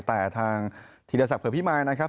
แต่ทางธีรศักดิเผื่อพี่มายนะครับ